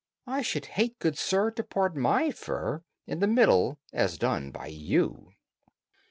I should hate, good sir, to part my fur In the middle, as done by you."